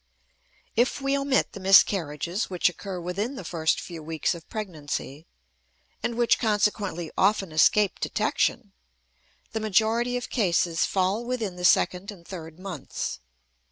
If we omit the miscarriages which occur within the first few weeks of pregnancy, and which consequently often escape detection, the majority of cases fall within the second and third months.